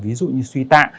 ví dụ như suy tạ